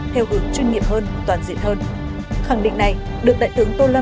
theo hướng chuyên nghiệp hơn toàn diện hơn khẳng định này được đại tướng tô lâm